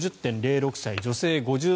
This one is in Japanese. ５０．０６歳女性